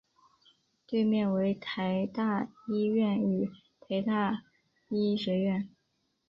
对面为台大医院与台大医学院。